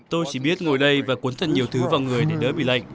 tôi chỉ biết ngồi đây và cuốn thân nhiều thứ vào người để đỡ bị lạnh